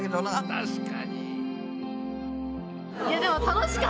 確かに。